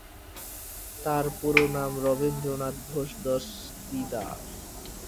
তার পুরো নাম রবীন্দ্রনাথ ঘোষ দস্তিদার।